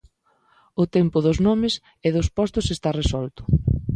O tempo dos nomes e dos postos está resolto.